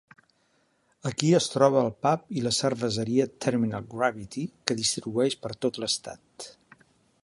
Aquí es troba el pub i la cerveseria Terminal Gravity, que distribueix per tot l'estat.